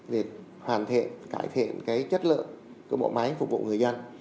việc hoàn thiện cải thiện cái chất lượng của bộ máy phục vụ người dân